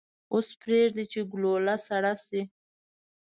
اوس پریږدئ چې ګلوله سړه شي.